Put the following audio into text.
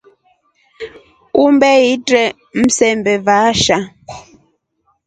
Umbe itre msembe waasha.